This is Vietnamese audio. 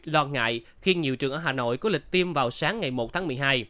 lo ngại khi nhiều trường ở hà nội có lịch tiêm vào sáng ngày một tháng một mươi hai